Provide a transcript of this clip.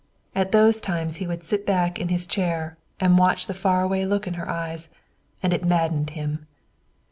At those times he would sit back in his chair and watch the far away look in her eyes, and it maddened him.